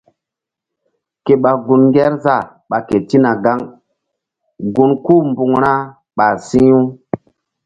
Ke ɓa gun Ŋgerzah ɓa ketina gaŋ gun kú-u mbuŋ ra ɓah si̧h-u.